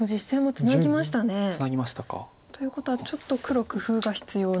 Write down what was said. ツナぎましたか。ということはちょっと黒工夫が必要な。